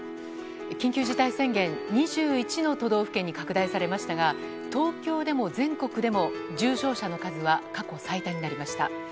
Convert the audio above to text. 緊急事態宣言２１の都道府県に拡大されましたが東京でも、全国でも重症者の数は過去最多になりました。